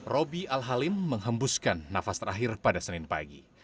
roby al halim menghembuskan nafas terakhir pada senin pagi